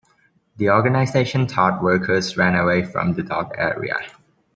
The "Organisation Todt" workers ran away from the dock area.